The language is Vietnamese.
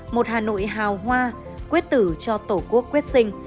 một hà nội hào hoa quyết tử cho tổ quốc quyết sinh